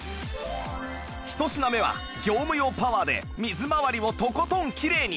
一品目は業務用パワーで水回りをとことんきれいに！